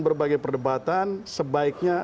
berbagai perdebatan sebaiknya